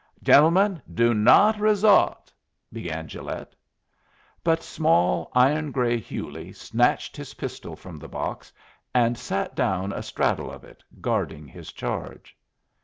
"Gentlemen, do not resort " began Gilet. But small, iron gray Hewley snatched his pistol from the box, and sat down astraddle of it, guarding his charge.